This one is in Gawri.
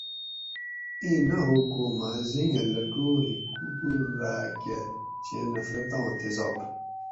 ایں نہ ھوگ کو ماں زنگہ لۤٹور ھکوکور راۤکہ چھی نفرتاں تیزاب